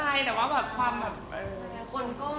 คุณแก๊ววันนี้คือสวยง่ะ